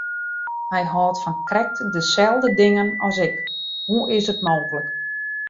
Hy hâldt fan krekt deselde dingen as ik, hoe is it mooglik!